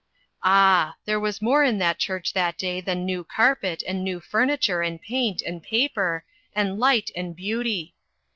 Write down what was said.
Ah ! there was more in that church that day than new carpet, and new furniture, and paint, and paper, and light and beauty.